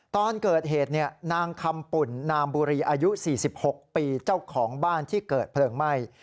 ตอนเกิดเหตุนางคำปุ่นนามบุรีอายุ๔๖ปีเจ้าของบ้านที่เกิดเพลิงไหม้